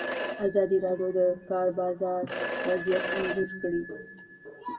ازادي راډیو د د کار بازار وضعیت انځور کړی.